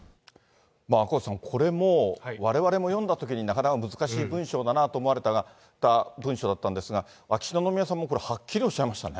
赤星さん、これもわれわれも読んだときに、なかなか難しい文書だなと思われた文書だったんですが、秋篠宮さまもこれ、はっきりおっしゃいましたね。